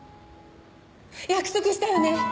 約束したよね？